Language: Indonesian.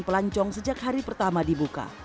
pelancong sejak hari pertama dibuka